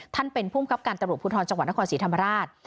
ท่านเป็นภูมิคับการตำรวจภูทรจังหวัดนครศรีธรรมราช